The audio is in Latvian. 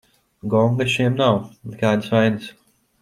Gonga šiem nav, nekādas vainas.